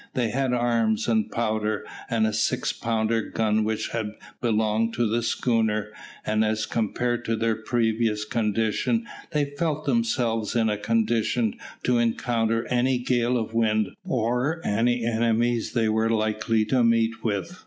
They had arms and powder, and a six pounder gun which had belonged to the schooner, and, as compared to their previous condition, they felt themselves in a condition to encounter any gale of wind or any enemies they were likely to meet with.